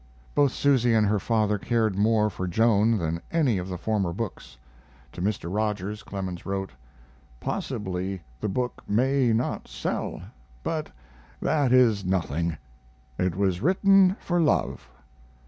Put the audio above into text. Both Susy and her father cared more for Joan than any of the former books. To Mr. Rogers, Clemens wrote: "Possibly the book may not sell, but that is nothing it was written for love."